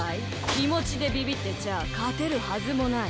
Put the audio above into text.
きもちでビビってちゃあかてるはずもない。